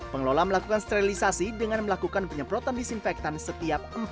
pengelola melakukan sterilisasi dengan melakukan penyemprotan disinfektan setiap empat jam